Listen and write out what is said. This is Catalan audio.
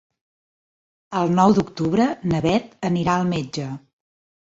El nou d'octubre na Beth anirà al metge.